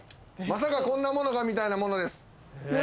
まさかこんな物が⁉みたいな物です。